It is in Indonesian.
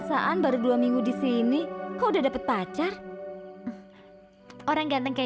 sampai jumpa di video selanjutnya